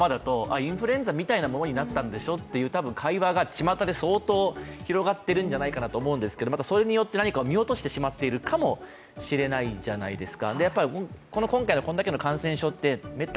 知っておかないとね、きっと今のままだとインフルエンザみたいなものになったんでしょという会話がちまたで相当広がっているんじゃないかと思うんですがまたそれによって何か見落としてしまっているかもしれないじゃないでいすか。